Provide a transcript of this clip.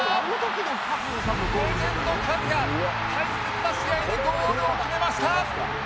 レジェンドカズが大切な試合でゴールを決めました。